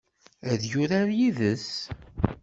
Ad yurar yid-s?